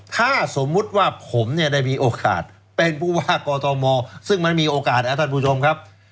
ถ้าสมมุติว่าผมเนี่ยได้มีโอกาสเป็นผู้ว่ากอทมซึ่งมันมีโอกาสนะท่านผู้ชมครับ